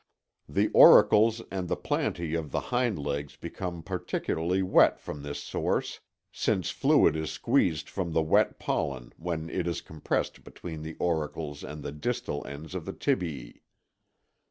The auricles and the plantæ of the hind legs become particularly wet from this source, since fluid is squeezed from the wet pollen when it is compressed between the auricles and the distal ends of the tibiæ.